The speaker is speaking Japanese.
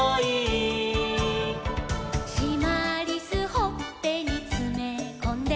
「しまりすほっぺにつめこんで」